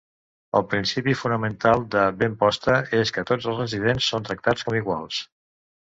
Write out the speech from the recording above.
El principi fonamental de Benposta és que tots els residents són tractats com iguals.